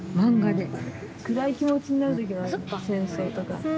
暗い気持ちになる時もある戦争とか。